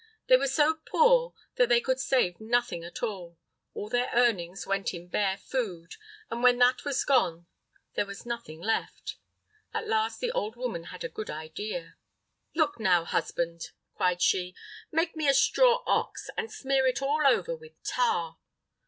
They were so poor that they could save nothing at all; all their earnings went in bare food, and when that was gone there was nothing left. At last the old woman had a good idea. "Look, now, husband," cried she, "make me a straw ox, and smear it all over with tar."